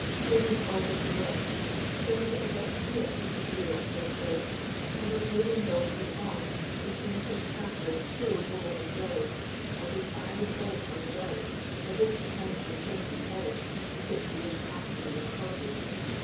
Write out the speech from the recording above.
Caleb augured the worst, turned a deaf ear to the trio aforesaid, and was moving doggedly on, his ancient castor pulled over his brows, and his eyes bent on the ground, as if to count the flinty pebbles with which the rude pathway was causewayed.